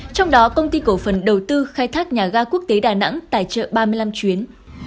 trong đó công ty cổ phần đầu tư khai thác nhà ga quốc tế đà nẵng tài trợ ba mươi năm chuyến